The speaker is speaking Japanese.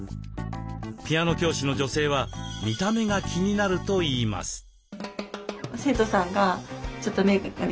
ピアノ教師の女性は見た目が気になるといいます。